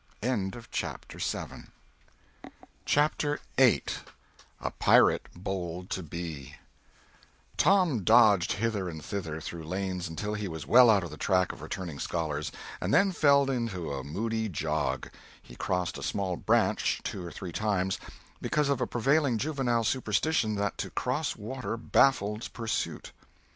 CHAPTER VIII TOM dodged hither and thither through lanes until he was well out of the track of returning scholars, and then fell into a moody jog. He crossed a small "branch" two or three times, because of a prevailing juvenile superstition that to cross water baffled pursuit.